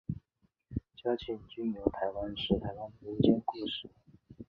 嘉庆君游台湾是台湾的民间故事。